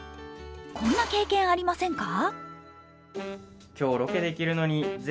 こんな経験ありませんか？